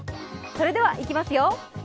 それではいきますよ。